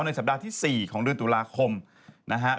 สัปดาห์ที่๔ของเดือนตุลาคมนะฮะ